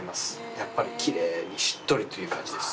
やっぱりきれいにしっとりという感じです。